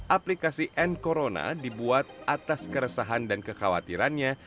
aplikasi n corona dibuat atas keresahan dan kekhawatirannya